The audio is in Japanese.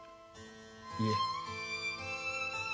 いえ。